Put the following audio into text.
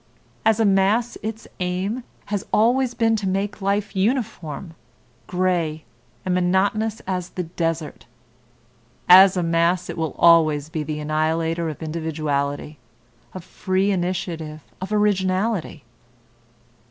As a mass its aim has always been to make life uniform, gray, and monotonous as the desert. As a mass it will always be the annihilator of individuality, of free initiative, of originality.